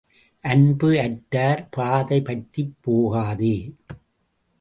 அன்பு அற்றார் பாதை பற்றிப் போகாதே.